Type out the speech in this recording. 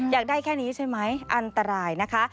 อยากได้แค่นี้ใช่ไหมอันตรายนะคะ